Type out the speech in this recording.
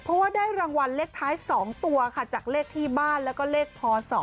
เพราะว่าได้รางวัลเลขท้าย๒ตัวค่ะจากเลขที่บ้านแล้วก็เลขพศ